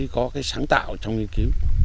có cái sáng tạo trong nghiên cứu